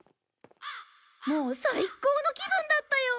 もう最高の気分だったよ！